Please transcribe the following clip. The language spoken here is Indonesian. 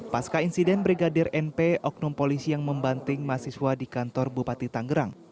pasca insiden brigadir np oknum polisi yang membanting mahasiswa di kantor bupati tanggerang